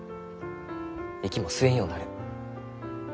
息も吸えんようになる。